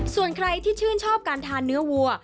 ส่วนใครที่ชื่นชอบการทานเนื้อวัว